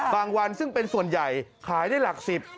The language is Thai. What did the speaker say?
วันซึ่งเป็นส่วนใหญ่ขายได้หลัก๑๐